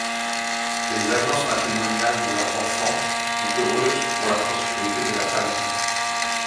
Les alliances matrimoniales de leurs enfants sont heureuses pour la postérité de la famille.